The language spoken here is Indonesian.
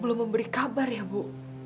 belum memberi kabar ya bu